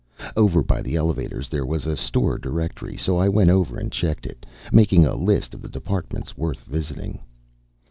Over by the elevators there was a store directory, so I went over and checked it, making a list of the departments worth visiting.